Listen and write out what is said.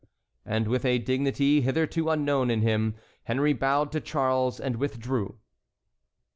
And with a dignity hitherto unknown in him, Henry bowed to Charles and withdrew.